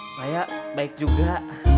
saya baik juga